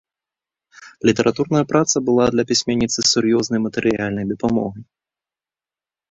Літаратурная праца была для пісьменніцы сур'ёзнай матэрыяльнай дапамогай.